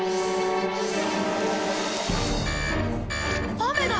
雨だ！